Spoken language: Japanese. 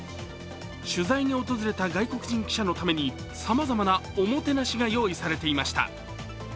取材に訪れた外国人記者のためにさまざまなおもてなしが用意されていました。